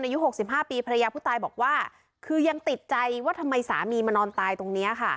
อายุ๖๕ปีภรรยาผู้ตายบอกว่าคือยังติดใจว่าทำไมสามีมานอนตายตรงนี้ค่ะ